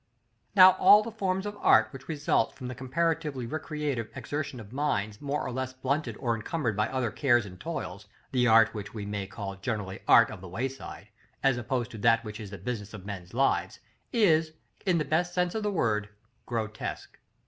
§ XXXIII. Now all the forms of art which result from the comparatively recreative exertion of minds more or less blunted or encumbered by other cares and toils, the art which we may call generally art of the wayside, as opposed to that which is the business of men's lives, is, in the best sense of the word, Grotesque.